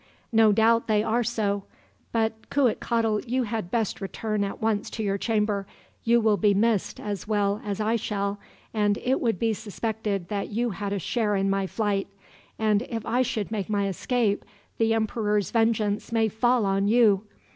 "No doubt they are so; but, Cuitcatl, you had best return at once to your chamber. You will be missed as well as I shall, and it would be suspected that you had a share in my flight; and if I should make my escape, the emperor's vengeance may fall on you.